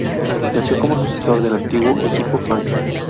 Nació como sucesor del antiguo equipo Fangio.